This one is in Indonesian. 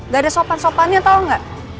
gak ada sopan sopannya tau gak